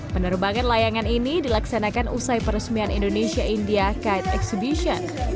penerbangan layangan ini dilaksanakan usai peresmian indonesia india kite exhibition